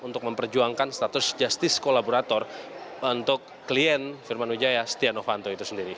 untuk memperjuangkan status justice kolaborator untuk klien firman ujaya setionofanto itu sendiri